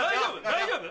大丈夫？